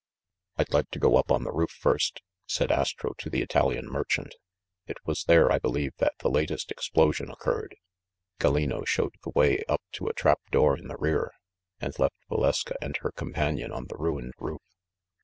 "I'd like to go up on the roof first," said Astro to the Italian merchant. "It was there, I believe, that the latest explosion occurred." Gallino showed the way up to a trap door in the rear, and left Valeska and her companion on the ruined roof.